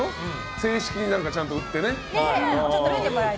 正式にちゃんと売ってね。